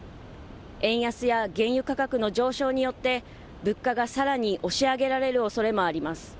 円安や原油価格の上昇によって物価がさらに押し上げられるおそれもあります。